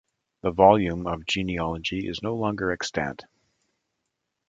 The volume of genealogy is no longer extant.